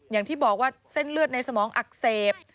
อย่างที่บอกว่าเส้นเลือดในสมองอักเสบ